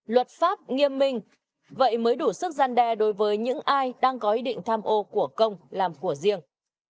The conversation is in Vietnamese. luật pháp nghiêm minh vậy mới đủ sức gian đe đối với những ai đang có ý định tham ô của công làm của riêng